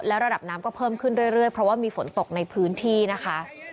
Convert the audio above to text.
ระดับน้ำก็เพิ่มขึ้นเรื่อยเพราะว่ามีฝนตกในพื้นที่นะคะ